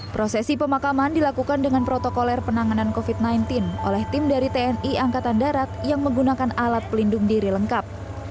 prosesi pemakaman dilakukan dengan protokoler penanganan covid sembilan belas oleh tim dari tni angkatan darat yang menggunakan alat pelindung diri lengkap